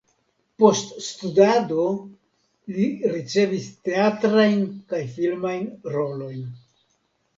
Post studado li ricevis teatrajn kaj filmajn rolojn.